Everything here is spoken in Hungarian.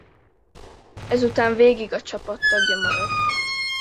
Ezután végig a csapat tagja marad.